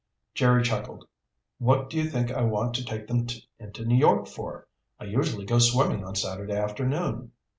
Jerry chuckled. "What do you think I want to take them into New York for? I usually go swimming on Saturday afternoon."